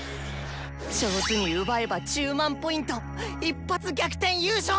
上手に奪えば１０００００Ｐ一発逆転優勝！